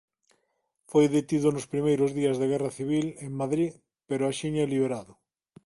Foi detido nos primeiros días da Guerra Civil en Madrid pero axiña liberado.